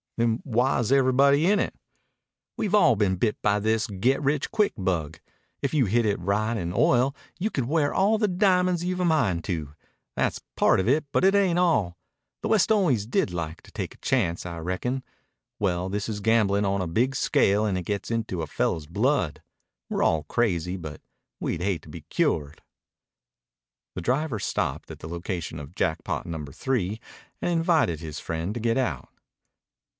"Then why is everybody in it?" "We've all been bit by this get rich quick bug. If you hit it right in oil you can wear all the diamonds you've a mind to. That's part of it, but it ain't all. The West always did like to take a chance, I reckon. Well, this is gamblin' on a big scale and it gets into a fellow's blood. We're all crazy, but we'd hate to be cured." The driver stopped at the location of Jackpot Number Three and invited his friend to get out.